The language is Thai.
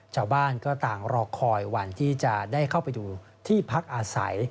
ชาวบ้านก็ต่างรอคอยวันที่จะได้เข้าไปดูที่พักอาศัย